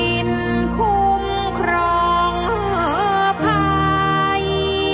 ดินคุ้มครองภัย